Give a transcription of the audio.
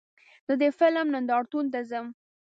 زه د فلم نندارتون ته ځم.